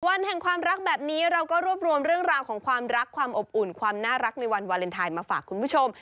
วันแห่งความรักแบบนี้เราก็รวบรวมเรื่องราวของความรักความอบอุ่นความน่ารักในวันวาเลนไทยมาฝากคุณผู้ชม